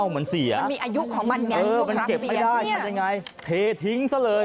มันเสียมันเก็บไม่ได้มันยังไงเททิ้งซะเลย